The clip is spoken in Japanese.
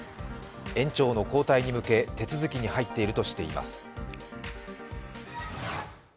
園長の交代に向けて続きに入っているとしています。